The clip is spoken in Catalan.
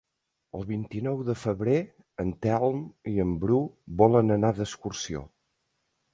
El vint-i-nou de febrer en Telm i en Bru volen anar d'excursió.